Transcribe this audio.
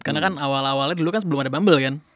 karena kan awal awalnya dulu kan sebelum ada bumble kan